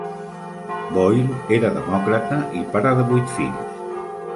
Boyle era demòcrata i pare de vuit fills.